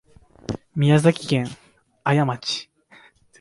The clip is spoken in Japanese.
宮崎県綾町